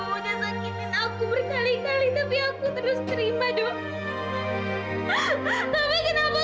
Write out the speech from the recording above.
kenapa kamu nyakitin anak aku dok